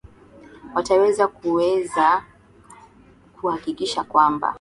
wataweza kuweza kuhakikisha kwamba